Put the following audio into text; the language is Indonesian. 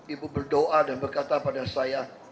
ibu berdoa dan berkata pada saya